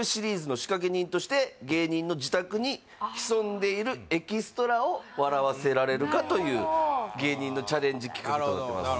芸人の自宅に潜んでいるエキストラを笑わせられるかという芸人のチャレンジ企画となってます